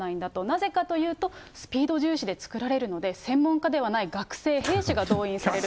なぜかというと、スピード重視で作られるので専門家ではない学生、兵士が動員される。